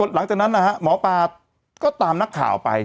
หลังจากนั้นน่ะนะฮะมปรากฎก็ตามนักข่าวไป